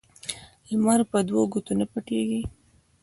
لمر په دوو ګوتو نه پوټیږی.